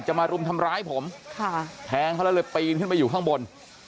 มารุมทำร้ายผมแทงเขาแล้วเลยปีนขึ้นไปอยู่ข้างบน